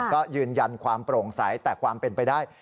ก็ยืนยันความโปร่งใสแต่ความเป็นไปได้